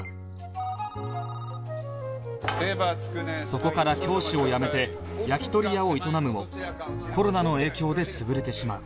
そこから教師を辞めて焼き鳥屋を営むもコロナの影響で潰れてしまう